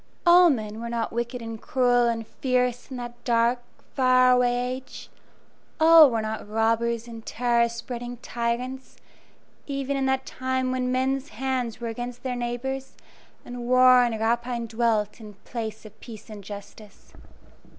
All men were not wicked and cruel and fierce in that dark, far away age; all were not robbers and terror spreading tyrants, even in that time when men's hands were against their neighbors, and war and rapine dwelt in place of peace and justice.